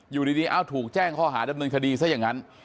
อยู่ดีเอ้าถูกแจ้งข้อหาดำเนินคดีซะอย่างนั้น